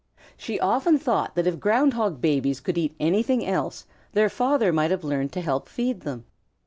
She often thought that if Ground Hog babies could eat anything else their father might have learned to help feed them.